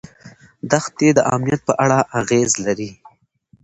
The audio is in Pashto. دښتې د امنیت په اړه اغېز لري.